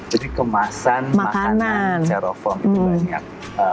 jadi kemasan makanan serofoam itu banyak